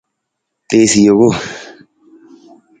Tiisa jekung.